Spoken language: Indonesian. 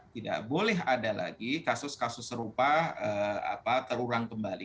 tidak boleh ada lagi kasus kasus serupa terulang kembali